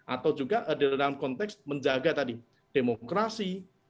atau juga di dalam konteks menjaga tadi demokrasi